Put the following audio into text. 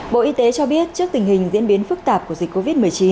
bộ y tế cho biết trước tình hình diễn biến phức tạp của dịch covid một mươi chín